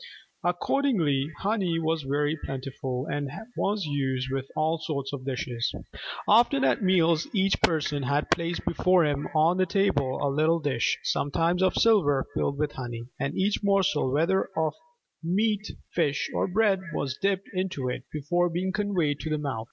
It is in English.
Accordingly honey was very plentiful, and was used with all sorts of dishes. Often at meals each person had placed before him on the table a little dish, sometimes of silver, filled with honey; and each morsel whether of meat, fish, or bread was dipped into it before being conveyed to the mouth.